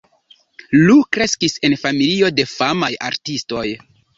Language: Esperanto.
Lou kreskis en familio de famaj artistoj.